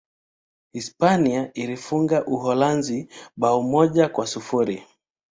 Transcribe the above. Hispania iliifunga Uholanzi bao moja kwa sifuri